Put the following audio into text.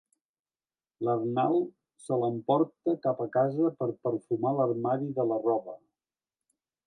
L'Arnald se l'emporta cap a casa per perfumar l'armari de la roba.